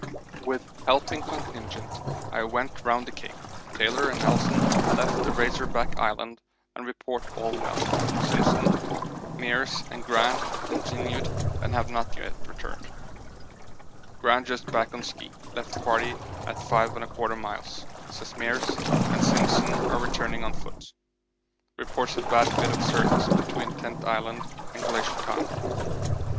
With helping contingent I went round the Cape. Taylor and Nelson left at the Razor Back Island and report all well. Simpson, Meares and Gran continued and have not yet returned. Gran just back on ski; left party at 5 1/4 miles. Says Meares and Simpson are returning on foot. Reports a bad bit of surface between Tent Island and Glacier Tongue.